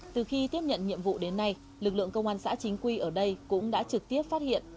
từ khi tiếp nhận nhiệm vụ đến nay lực lượng công an xã chính quy ở đây cũng đã trực tiếp phát hiện